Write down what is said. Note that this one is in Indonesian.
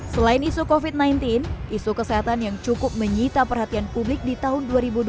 selain isu kofit sembilan belas isu kesehatan yang cukup menyita perhatian publik di tahun